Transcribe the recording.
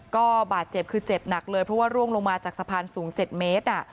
ก็บาดเจ็บคือเจ็บหนักเลยเพราะว่าร่วงลงมาจากสะพานสูง๗เมตร